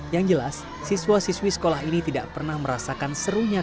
yang jelas siswa siswi sekolah ini tidak pernah merasakan serunya